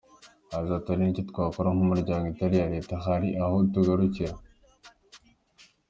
Yagize ati:“Hari icyo dukora nk’ imiryango itari iya Leta hari aho tugarukira.